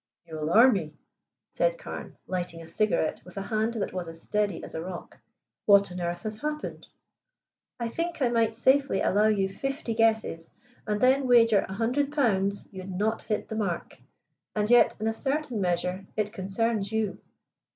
"You alarm me," said Carne, lighting a cigarette with a hand that was as steady as a rock. "What on earth has happened?" "I think I might safely allow you fifty guesses and then wager a hundred pounds you'd not hit the mark; and yet in a certain measure it concerns you."